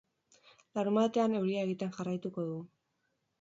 Larunbatean euria egiten jarraituko du.